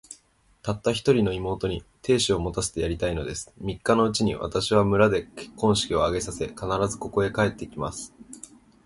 たった一人の妹に、亭主を持たせてやりたいのです。三日のうちに、私は村で結婚式を挙げさせ、必ず、ここへ帰って来ます。